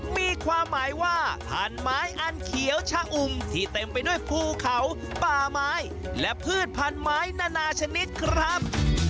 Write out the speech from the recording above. มีความหมายว่าพันไม้อันเขียวชะอุ่มที่เต็มไปด้วยภูเขาป่าไม้และพืชพันไม้นานาชนิดครับ